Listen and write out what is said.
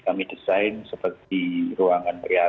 kami desain seperti ruangan real